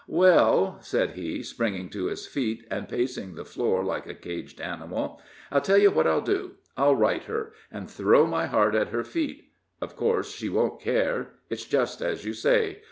"Well," said he, springing to his feet, and pacing the floor like a caged animal, "I'll tell you what I'll do; I'll write her, and throw my heart at her feet. Of course she won't care. It's just as you say.